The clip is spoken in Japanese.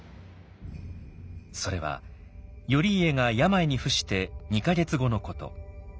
それは頼家が病に伏して２か月後のこと。